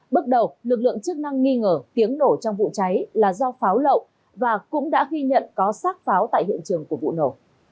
bước đầu lực lượng chức năng nghi ngờ tiếng nổ trong vụ cháy là do pháo lậu và cũng đã ghi nhận có sát pháo tại hiện trường của vụ nổ